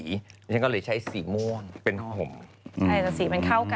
ฉันก็เลยใช้สีม่วงเป็นห่อห่มใช่แต่สีมันเข้ากัน